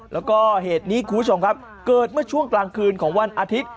แล้วก็เหตุนี้คุณผู้ชมครับเกิดเมื่อช่วงกลางคืนของวันอาทิตย์